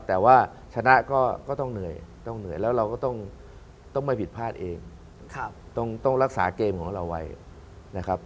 แต่ว่าชนะก็ต้องเหนื่อยต้องเหนื่อยแล้วเราก็ต้องไม่ผิดพลาดเองต้องรักษาเกมของเราไว้นะครับ